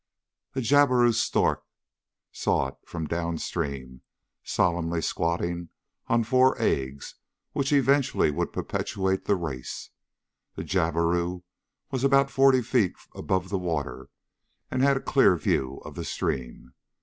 A jabiru stork saw it from downstream, solemnly squatting on four eggs which eventually would perpetuate the race. The jabiru was about forty feet above the water and had a clear view of the stream.